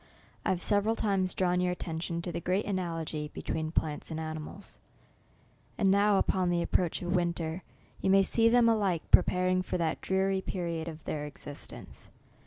I hare several times drawn vour attention to the great analogy between plants a:id animals, and now, upon the approach of winter, you may see them alike preparing for that dreary period of their existence.